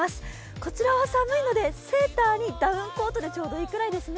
こちらは寒いのでセーターにダウンコートでちょうどいいくらいですね。